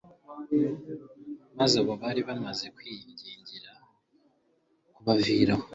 maze abo bari bamaze kwingingira kubavira aho